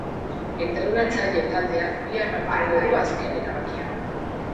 Entrenatzaile taldeak bihar hartuko du azken erabakia.